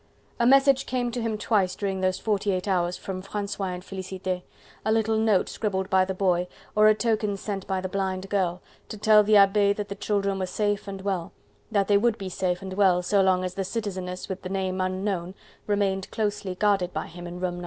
A message came to him twice during those forty eight hours from Francois and Felicite, a little note scribbled by the boy, or a token sent by the blind girl, to tell the Abbe that the children were safe and well, that they would be safe and well so long as the Citizeness with the name unknown remained closely guarded by him in room No.